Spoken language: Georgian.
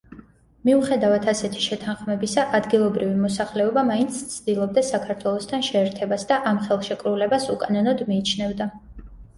მიუხედავად ასეთი შეთანხმებისა, ადგილობრივი მოსახლეობა მაინც ცდილობდა საქართველოსთან შეერთებას და ამ ხელშეკრულებას უკანონოდ მიიჩნევდა.